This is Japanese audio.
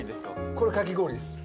これかき氷です